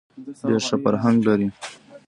ډېر ښه فرهنګ لري.